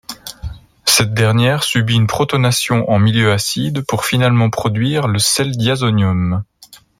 Cette dernière subit une protonation en milieu acide pour finalement produire le sel diazonium.